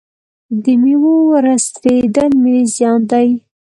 د میوو ورستیدل ملي زیان دی.